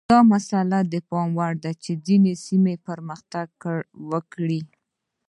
دا مسئله د پام وړ ده چې ځینې سیمې پرمختګ وکړي.